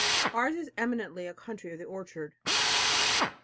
Ours is eminently a country of the orchard.